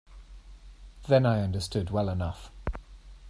Then I understood well enough.